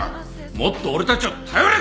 もっと俺たちを頼れ！